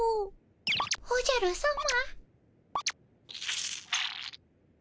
おじゃるさま。